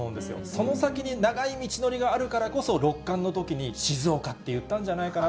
その先に長い道のりがあるからこそ、六冠のときに静岡って言ったんじゃないかな。